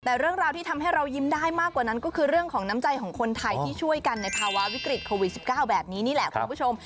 แต่เรื่องราวที่ทำให้เรายิ้มได้มากกว่านั้นก็คือเรื่องของน้ำใจของคนไทยที่ช่วยกันในภาวะวิกฤตโควิด๑๙แบบนี้นี่แหละคุณผู้ชม